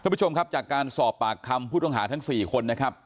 ผู้ชมครับจากการสอบปากคำผู้ต้องหาทั้ง๔คนนะครับ